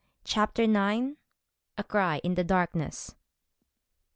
CHAPTER IX. A CRY IN THE DARKNESS.